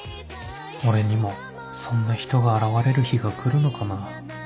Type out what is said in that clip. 俺にもそんな人が現れる日がくるのかな